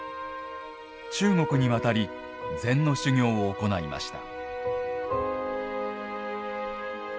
中国に渡り、禅の修行を行いました。